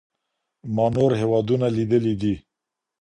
ما نور هیوادونه لیدلي دي.